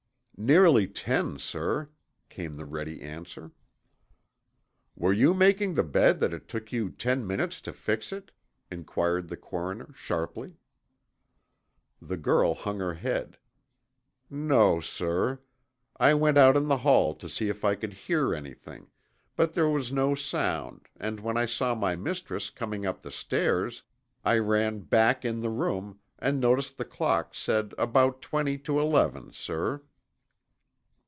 "Nearer ten, sir," came the ready answer. "Were you making the bed that it took you ten minutes to fix it?" inquired the coroner, sharply. The girl hung her head. "No, sir. I went out in the hall to see if I could hear anything, but there was no sound and when I saw my mistress coming up the stairs I ran back in the room and noticed the clock said about twenty to eleven, sir."